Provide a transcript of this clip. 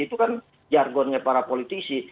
itu kan jargonnya para politisi